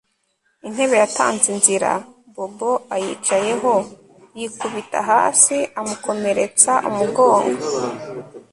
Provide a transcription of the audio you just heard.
Intebe yatanze inzira Bobo ayicayeho yikubita hasi amukomeretsa umugongo